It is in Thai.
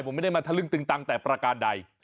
ผมไม่ได้มาทะลึ่งตึงตังแต่ประการใด